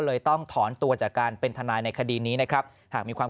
เลยต้องถอนตัวจากการเป็นทนายในคดีนี้นะครับหากมีความ